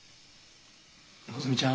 のぞみちゃん